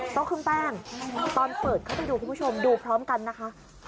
ครึ่งแป้งตอนเปิดเข้าไปดูคุณผู้ชมดูพร้อมกันนะคะ